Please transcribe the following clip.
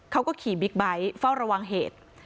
เขาก็ขี่บิ๊กไบท์เฝ้าระวังเหตุ